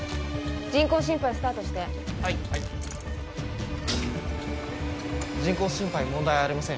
人工心肺スタートしてはい人工心肺問題ありません